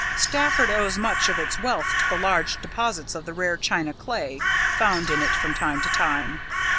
Stafford owes much of its wealth to the large deposits of the rare china clay found in it from time to time.